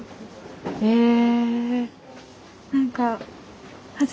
へえ。